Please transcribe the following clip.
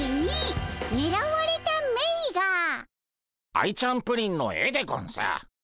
アイちゃんプリンの絵でゴンス。